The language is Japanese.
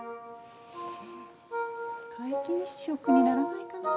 皆既日食にならないかな。